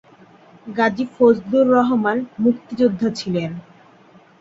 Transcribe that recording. গাজী ফজলুর রহমান মুক্তিযোদ্ধা ছিলেন।